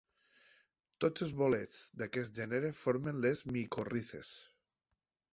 Tots els bolets d'aquest gènere formen les micorrizes.